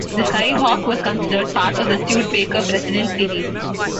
The Sky Hawk was considered part of the Studebaker President series.